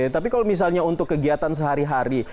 tapi kalau misalnya untuk kegiatan sehari hari